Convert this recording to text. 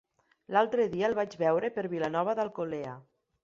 L'altre dia el vaig veure per Vilanova d'Alcolea.